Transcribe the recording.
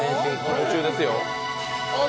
途中ですよ。